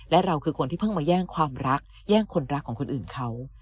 และเราคือคนที่เพิ่งมาแย่งความรักแย่งคนรักของคนอื่นเขา